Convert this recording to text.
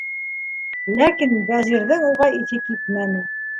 Ләкин Вәзирҙең уға иҫе китмәне.